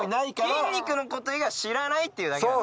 筋肉のこと以外は知らないっていうだけだから。